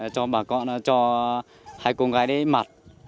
cho bà con cho hai cô gái đấy mặt